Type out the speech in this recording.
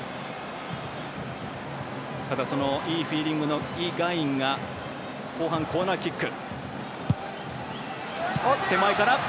ただ、いいフィーリングのイ・ガンインが後半、コーナーキック。